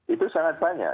itu sangat banyak